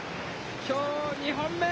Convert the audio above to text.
きょう２本目。